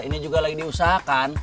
ini juga lagi diusahakan